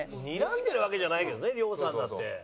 にらんでるわけじゃないけどねりょうさんだって。